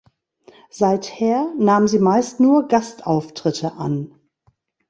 Seither nahm sie meist nur Gastauftritte an.